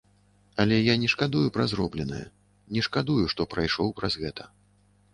Але я не шкадую пра зробленае, не шкадую, што прайшоў праз гэта.